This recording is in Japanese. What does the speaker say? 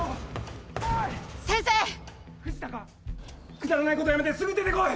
くだらないことやめてすぐ出てこい！